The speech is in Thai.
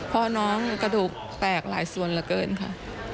พ่อน้องกระดูกแตกหลายส่วนเหลือเกินค่ะ